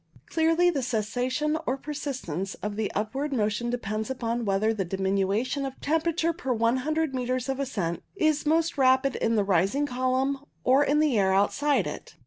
Clearly the cessation or persistence of the up ward motion depends upon whether the diminution 94 CUMULUS of temperature per loo metres of ascent is most rapid in the rising column or in the air out side it.